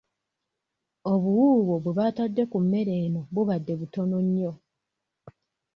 Obuwuuwo bwe baatadde ku mmere eno bubadde butono nnyo.